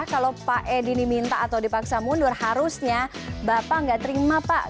kalau pak edi diminta atau dipaksa mundur harusnya bapak nggak terima pak